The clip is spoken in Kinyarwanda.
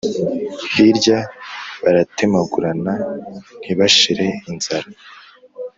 Hirya baratemagurana, ntibashire inzara,